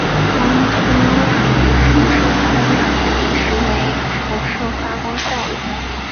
光通量与辐射通量的比值称为辐射发光效率。